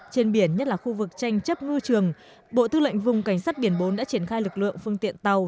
trên biển nhất là khu vực tranh chấp ngư trường bộ tư lệnh vùng cảnh sát biển bốn đã triển khai lực lượng phương tiện tàu